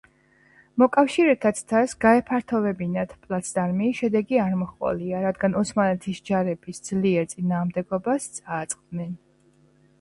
მოკავშირეთა ცდას, გაეფართოვებინათ პლაცდარმი, შედეგი არ მოჰყოლია, რადგან ოსმალეთის ჯარების ძლიერ წინააღმდეგობას წააწყდნენ.